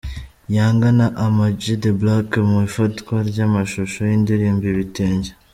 Younger na Ama G the Black mu ifatwa ry'amashusho y'indirimbo Ibitenge.